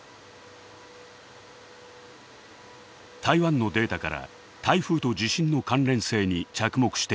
台湾のデータから台風と地震の関連性に着目しています。